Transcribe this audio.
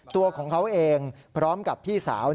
ตัวของเขาเองพร้อมกับพี่สาว